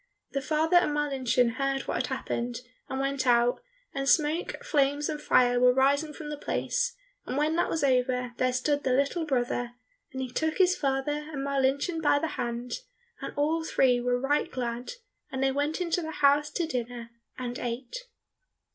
The father and Marlinchen heard what had happened and went out, and smoke, flames, and fire were rising from the place, and when that was over, there stood the little brother, and he took his father and Marlinchen by the hand, and all three were right glad, and they went into the house to dinner, and ate.